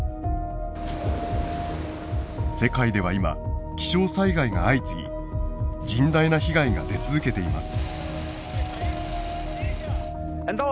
世界では今気象災害が相次ぎ甚大な被害が出続けています。